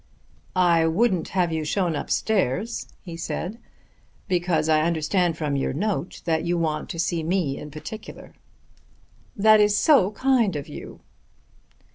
"I wouldn't have you shown upstairs," he said, "because I understand from your note that you want to see me in particular." "That is so kind of you."